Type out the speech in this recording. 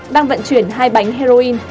đang vận chuyển hai bánh heroin